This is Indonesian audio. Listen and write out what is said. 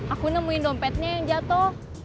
aku nemuin dompetnya yang jatuh